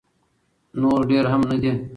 نو ډیر هم نه دي.